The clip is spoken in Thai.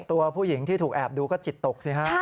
ตัวผู้หญิงที่ถูกแอบดูก็จิตตกสิฮะ